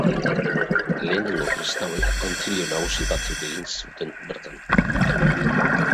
Lehenengo kristauek Kontzilio nagusi batzuk egin zuten bertan.